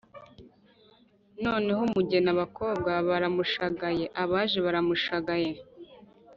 noneho umugeni abakobwa baramushagaye, abaja baramushagaye,